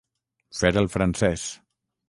Fer el francès.